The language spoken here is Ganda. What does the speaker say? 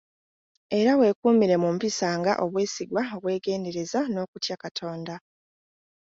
Era weekuumire mu mpisa nga; obwesigwa, obwegendereza n'okutya Katonda.